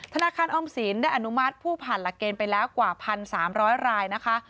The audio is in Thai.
ธนาคารออมสินได้อนุมัติผู้ผ่านหลักเกณฑ์ไปแล้วกว่า๑๓๐๐รายนะคะ